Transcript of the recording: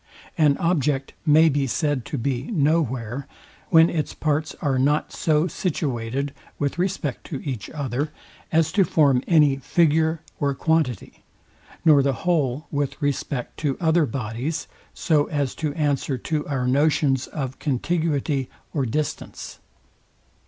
An object may be said to be no where, when its parts are not so situated with respect to each other, as to form any figure or quantity; nor the whole with respect to other bodies so as to answer to our notions of contiguity or distance.